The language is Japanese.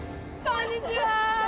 こんにちは！